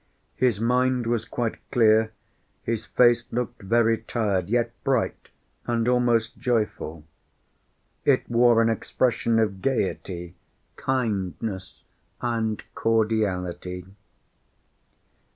His mind was quite clear; his face looked very tired, yet bright and almost joyful. It wore an expression of gayety, kindness and cordiality.